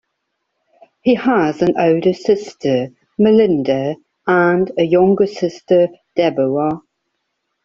He has an older sister, Melinda, and a younger sister, Deborah.